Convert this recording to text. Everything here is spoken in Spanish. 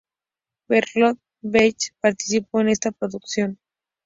Bertolt Brecht participó en esta producción.